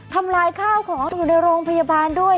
ทำลายข้าวของอยู่ในโรงพยาบาลด้วย